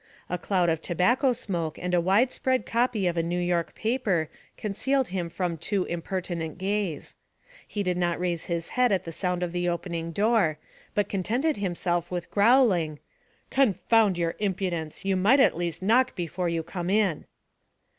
A cloud of tobacco smoke and a wide spread copy of a New York paper concealed him from too impertinent gaze. He did not raise his head at the sound of the opening door, but contented himself with growling 'Confound your impudence! You might at least knock before you come in.'